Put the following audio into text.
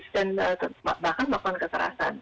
dan bahkan melakukan kekerasan